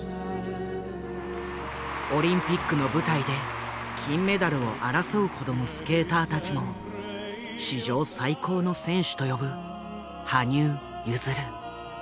オリンピックの舞台で金メダルを争うほどのスケーターたちも「史上最高の選手」と呼ぶ羽生結弦。